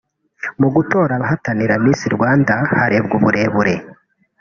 Mu gutoranya abahatanira Miss Rwanda harebwa uburebure